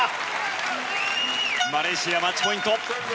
マレーシア、マッチポイント。